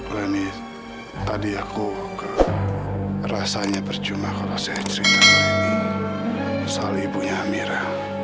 leni tadi aku rasanya percuma kalau saya cerita sama leni soal ibunya amira